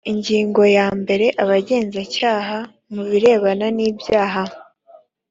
ingingo ya mbere abagenzacyaha mu birebana n’ibyaha